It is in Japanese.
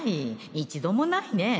一度もないね